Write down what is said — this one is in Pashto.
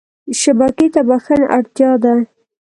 شبکې ته بښنه اړتیا ده.